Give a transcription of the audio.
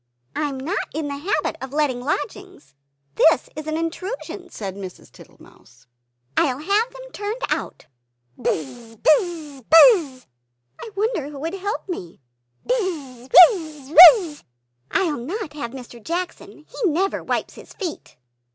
"I am not in the habit of letting lodgings; this is an intrusion!" said Mrs. Tittlemouse. "I will have them turned out " "Buzz! Buzz! Buzzz!" "I wonder who would help me?" "Bizz, Wizz, Wizzz!" "I will not have Mr. Jackson; he never wipes his feet."